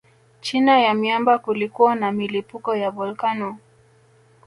China ya miamba kulikuwa na milipuko ya volkano